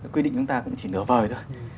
quy định chúng ta cũng chỉ nửa vời thôi